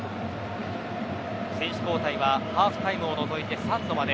選手交代はハーフタイムを除いて３度まで。